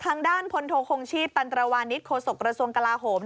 ทางด้านพลโทคงชีพตันตรวานิสโฆษกระทรวงกลาโหม